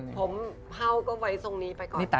ตอนแรกยาวกว่านี้แล้วเพิ่งตัดได้๒อาทิตย์มั้งค่ะ